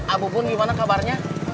abu bun gimana kabarnya